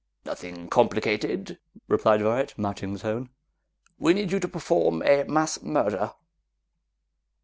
"Nothing complicated," replied Varret, matching the tone. "We need you to perform a mass murder!"